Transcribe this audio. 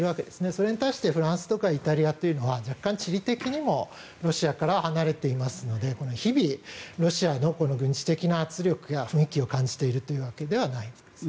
それに対してフランスとかイタリアというのは若干、地理的にもロシアからは離れていますので日々、ロシアの軍事的な圧力や雰囲気を感じているというわけではない。